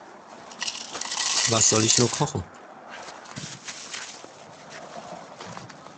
Was soll ich nur kochen?